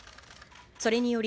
それにより、